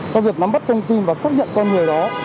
trong việc nắm bắt thông tin và xác nhận con người đó